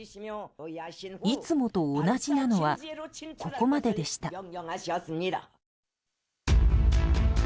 いつもと同じなのはここまででした。